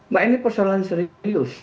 mbak ini persoalan serius